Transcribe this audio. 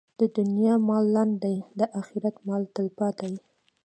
د دنیا مال لنډ دی، د اخرت مال تلپاتې.